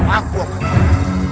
aku akan menang